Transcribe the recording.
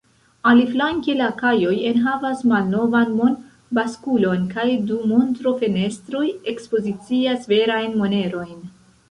Aliflanke, la kajoj enhavas malnovan mon-baskulon kaj du montro-fenestroj ekspozicias verajn monerojn.